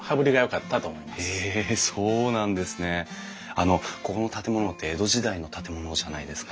あのここの建物って江戸時代の建物じゃないですか。